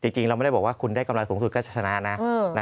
จริงเราไม่ได้บอกว่าคุณได้กำไรสูงสุดก็ชนะนะ